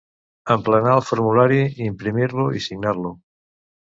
Emplenar el formulari, imprimir-lo i signar-lo.